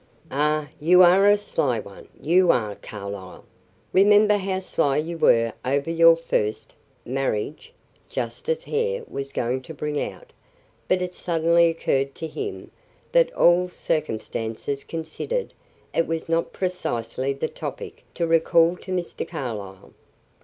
"Ah, you are a sly one; you are, Carlyle. Remember how sly you were over your first " marriage, Justice Hare was going to bring out, but it suddenly occurred to him that all circumstances considered, it was not precisely the topic to recall to Mr. Carlyle.